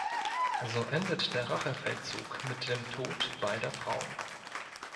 So endet der Rachefeldzug mit dem Tod beider Frauen.